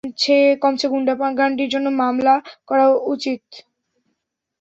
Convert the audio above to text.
কমছে কম গুন্ডা-গান্ডির জন্য, মামলা করা উচিত।